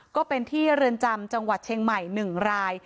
ก็เป็นที่เรือนจำจังหวัดเชียงใหม่๑ราย